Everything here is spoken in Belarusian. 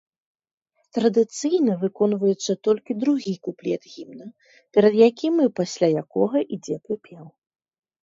Традыцыйна выконваецца толькі другі куплет гімна, перад якім і пасля якога ідзе прыпеў.